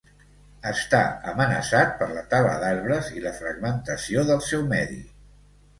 Està amenaçat per la tala d'arbres i la fragmentació del seu medi.